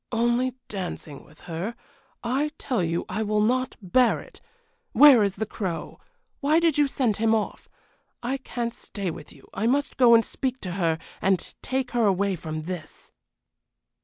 "Only dancing with her! I tell you I will not bear it. Where is the Crow? Why did you send him off? I can't stay with you; I must go and speak to her, and take her away from this."